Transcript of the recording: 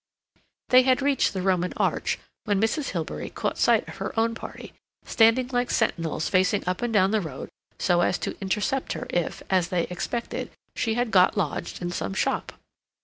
They had reached the Roman arch when Mrs. Hilbery caught sight of her own party, standing like sentinels facing up and down the road so as to intercept her if, as they expected, she had got lodged in some shop.